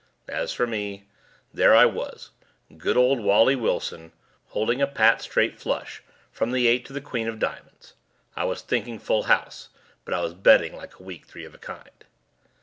As for me, there I was, good old Wally Wilson, holding a pat straight flush from the eight to the queen of diamonds. I was thinking "full house" but I was betting like a weak three of a kind.